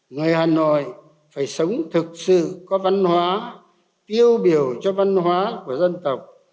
người hà nội phải sống thực sự có văn hóa tiêu biểu cho văn hóa của dân tộc